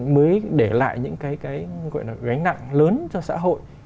mới để lại những cái gánh nặng lớn cho xã hội